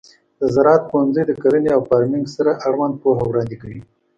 د زراعت پوهنځی د کرنې او فارمینګ سره اړوند پوهه وړاندې کوي.